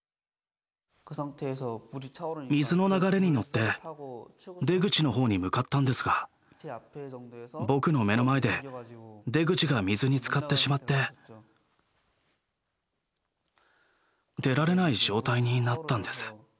水の流れに乗って出口の方に向かったんですが僕の目の前で出口が水につかってしまって出られない状態になったんです。